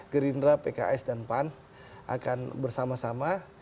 gerindra pks dan pan akan bersama sama